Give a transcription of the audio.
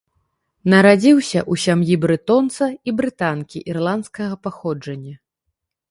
Нарадзіўся ў сям'і брэтонца і брытанкі ірландскага паходжання.